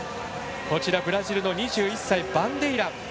ブラジルの２１歳バンデイラ。